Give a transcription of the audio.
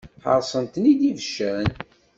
Ḥaṛṣen-tent-id ibeccan.